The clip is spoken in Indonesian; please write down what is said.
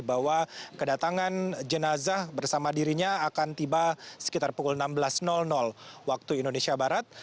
bahwa kedatangan jenazah bersama dirinya akan tiba sekitar pukul enam belas waktu indonesia barat